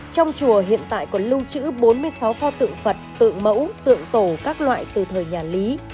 trong chùa hiện tại còn lưu trữ bốn mươi sáu pho tự phật tự mẫu tượng tổ các loại từ thời nhà lý